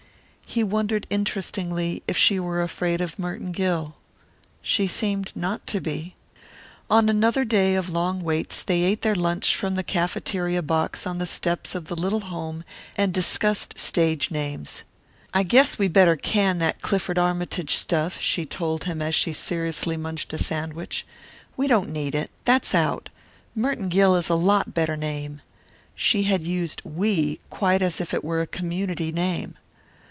He wondered interestingly if she were afraid of Merton Gill. She seemed not to be. On another day of long waits they ate their lunch from the cafeteria box on the steps of the little home and discussed stage names. "I guess we better can that 'Clifford Armytage' stuff," she told him as she seriously munched a sandwich. "We don't need it. That's out. Merton Gill is a lot better name." She had used "we" quite as if it were a community name.